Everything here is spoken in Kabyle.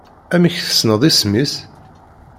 Amek tessneḍ isem-is?